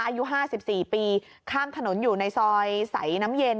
อายุ๕๔ปีข้ามถนนอยู่ในซอยใสน้ำเย็น